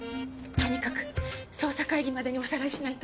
とにかく捜査会議までにおさらいしないと。